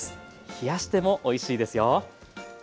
冷やしてもおいしいですよ。